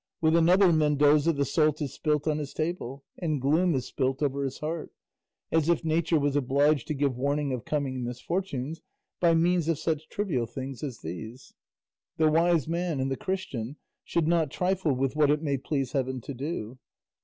With another Mendoza the salt is spilt on his table, and gloom is spilt over his heart, as if nature was obliged to give warning of coming misfortunes by means of such trivial things as these. The wise man and the Christian should not trifle with what it may please heaven to do.